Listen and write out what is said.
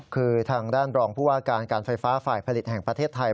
คือทางด้านรองผู้ว่าการการไฟฟ้าฝ่ายผลิตแห่งประเทศไทย